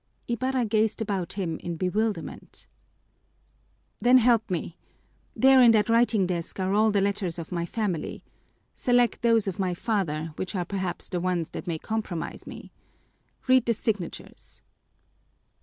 Ibarra gazed about him in bewilderment. "Then help me. There in that writing desk are all the letters of my family. Select those of my father, which are perhaps the ones that may compromise me. Read the signatures."